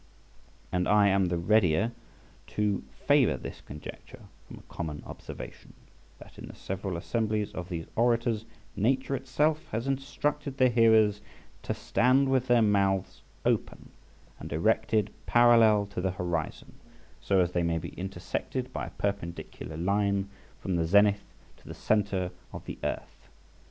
—Lucr. lib. 4. {62c} And I am the readier to favour this conjecture from a common observation, that in the several assemblies of these orators Nature itself has instructed the hearers to stand with their mouths open and erected parallel to the horizon, so as they may be intersected by a perpendicular line from the zenith to the centre of the earth.